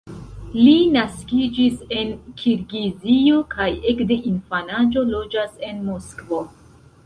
Li naskiĝis en Kirgizio, kaj ekde infanaĝo loĝas en Moskvo.